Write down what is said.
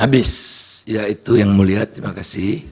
habis ya itu yang mulia terima kasih